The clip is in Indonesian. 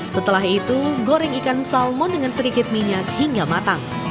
setelah itu goreng ikan salmon dengan sedikit minyak hingga matang